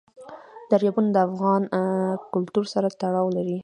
دریابونه د افغان کلتور سره تړاو لري.